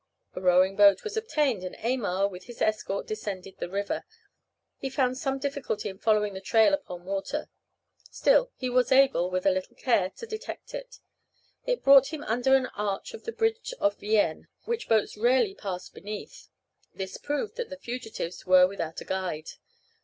A rowing boat was obtained, and Aymar, with his escort, descended the river; he found some difficulty in following the trail upon water; still he was able, with a little care, to detect it. It brought him under an arch of the bridge of Vienne, which boats rarely passed beneath. This proved that the fugitives were without a guide.